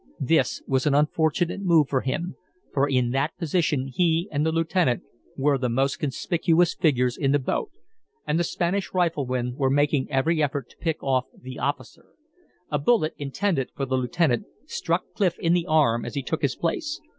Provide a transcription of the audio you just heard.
This was an unfortunate move for him, for in that position he and the lieutenant were the most conspicuous figures in the boat, and the Spanish riflemen were making every effort to pick off the officer. A bullet, intended for the lieutenant, struck Clif in the arm as he took his place.